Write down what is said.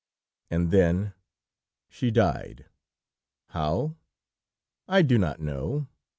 "And then she died. How? I do not know.